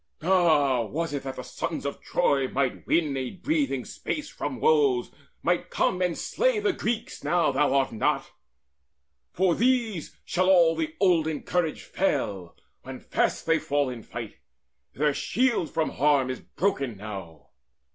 All, was it that the sons Of Troy might win a breathing space from woes, Might come and slay the Greeks, now thou art not? From these shall all the olden courage fail When fast they fall in fight. Their shield from harm Is broken now!